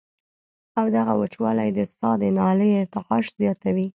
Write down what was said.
او دغه وچوالی د ساه د نالۍ ارتعاش زياتوي